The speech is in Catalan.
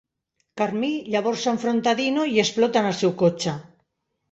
Carmí llavors s'enfronta a Dino i explota en el seu cotxe.